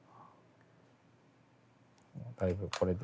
だいぶこれで。